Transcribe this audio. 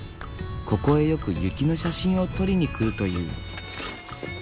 ここへよく雪の写真を撮りにくるという。